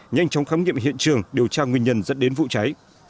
nhanh chóng khám nghiệm hiện trường điều tra nguyên nhân dẫn đến vụ cháy